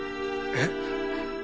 えっ。